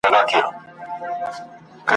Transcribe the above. سل دي ومره خو د سلو سر دي مه مره `